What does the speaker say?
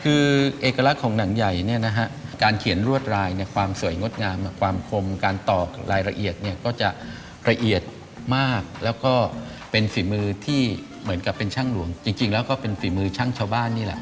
คือเอกลักษณ์ของหนังใหญ่เนี่ยนะฮะการเขียนรวดลายเนี่ยความสวยงดงามความคมการตอกรายละเอียดเนี่ยก็จะละเอียดมากแล้วก็เป็นฝีมือที่เหมือนกับเป็นช่างหลวงจริงแล้วก็เป็นฝีมือช่างชาวบ้านนี่แหละ